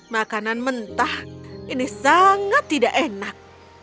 makanan mentah ini sangat tidak enak